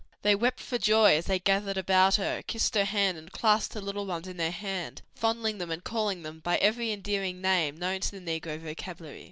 They wept for joy as they gathered about her, kissed her hand and clasped her little ones in their arms, fondling them and calling them by every endearing name known to the negro vocabulary.